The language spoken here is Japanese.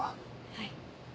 はい。